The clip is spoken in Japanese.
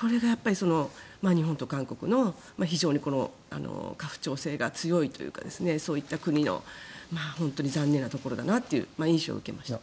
これがやっぱり日本と韓国の非常に家父長制が強いというかそういった国の残念なところだなという印象を受けました。